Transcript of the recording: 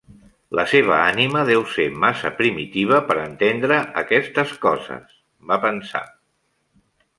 La seva ànima deu ser massa primitiva per entendre aquestes coses, va pensar.